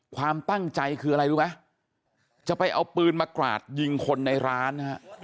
ความตั้งใจคืออะไรรู้ไหมจะไปเอาปืนมากราดยิงคนในร้านนะฮะ